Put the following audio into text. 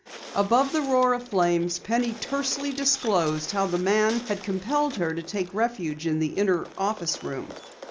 Above the roar of flames, Penny tersely disclosed how the man had compelled her to take refuge in the inner office room.